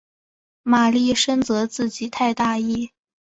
玛丽深责自己太大意。